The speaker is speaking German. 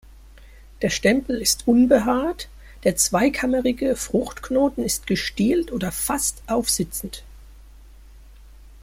Der Stempel ist unbehaart, der zweikammerige Fruchtknoten ist gestielt oder fast aufsitzend.